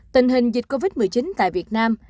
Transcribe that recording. tình hình dịch covid một mươi chín tại việt nam